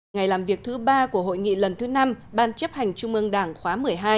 ngày làm việc thứ ba của hội nghị lần thứ năm ban chấp hành trung ương đảng khóa một mươi hai